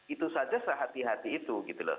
itu saja sehati hati itu